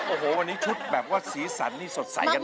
โอ้โหวันนี้ชุดแบบว่าสีสันนี่สดใสกันเลย